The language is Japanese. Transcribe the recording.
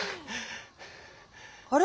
あれ？